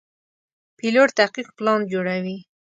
پیلوټ دقیق پلان جوړوي.